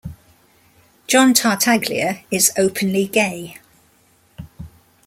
John Tartaglia is openly gay.